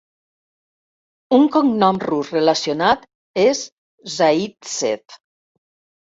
Un cognom rus relacionat és Zaytsev.